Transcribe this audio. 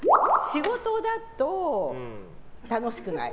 仕事だと楽しくない。